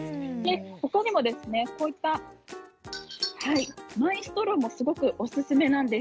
他にもこういったマイストローもすごくおすすめなんです。